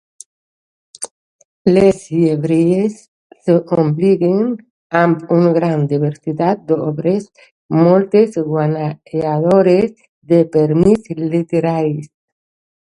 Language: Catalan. Les llibreries s'omplen amb una gran diversitat d'obres, moltes guanyadores de premis literaris.